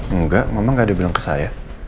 enggak mama enggak ada bilang ke saya